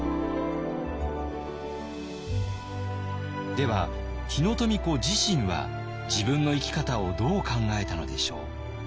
では日野富子自身は自分の生き方をどう考えたのでしょう？